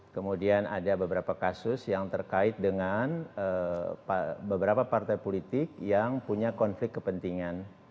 kemudian ada beberapa kasus yang terkait dengan beberapa partai politik yang punya konflik kepentingan